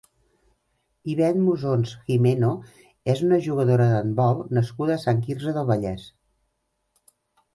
Ivet Musons Gimeno és una jugadora d'handbol nascuda a Sant Quirze del Vallès.